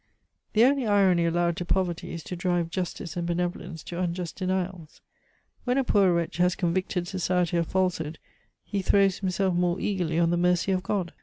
The only irony allowed to poverty is to drive Justice and Benevolence to unjust denials. When a poor wretch has convicted Society of falsehood, he throws himself more eagerly on the mercy of God.